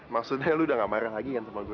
maksudnya lo udah nggak marah lagi kan sama gue